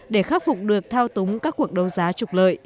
để khắc phục được thao túng các cuộc đấu giá trục lợi